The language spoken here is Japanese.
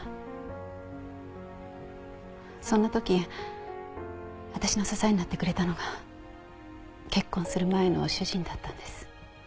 そんな時私の支えになってくれたのが結婚する前の主人だったんです。